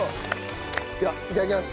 ではいただきます。